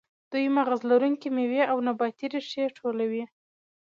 دوی مغز لرونکې میوې او نباتي ریښې ټولولې.